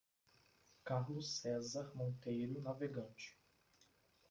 Carlos Cesar Monteiro Navegante